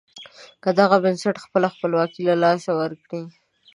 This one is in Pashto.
که دغه بنسټ خپله خپلواکي له لاسه ورکړي.